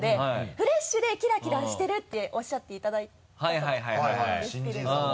フレッシュでキラキラしてるっておっしゃっていただいたと思うんですけれども。